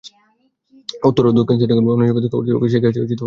উত্তর ও দক্ষিণ সিটি করপোরেশনের অনির্বাচিত কর্তৃপক্ষ সেই কাজটি করতে পারবে কি